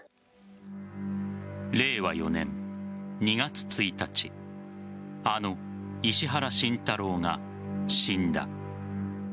令和４年２月１日あの石原慎太郎が死んだ。